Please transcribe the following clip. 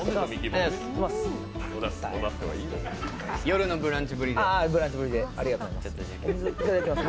「よるのブランチ」ぶりで。